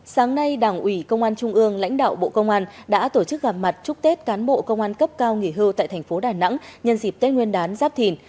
sáng nay đảng ủy công an trung ương lãnh đạo bộ công an đã tổ chức gặp mặt chúc tết cán bộ công an cấp cao nghỉ hưu tại thành phố đà nẵng nhân dịp tết nguyên đán giáp thìn